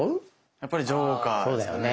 やっぱりジョーカーですかね？